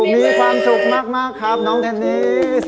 มีความสุขมากครับน้องเทนนิส